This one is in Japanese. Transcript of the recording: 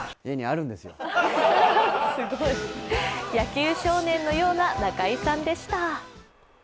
野球少年のような中居さんでした。